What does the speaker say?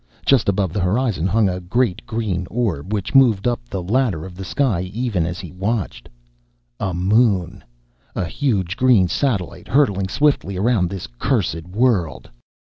Just above the horizon hung a great green orb, which moved up the ladder of the sky even as he watched. A moon! A huge green satellite hurtling swiftly around this cursed world!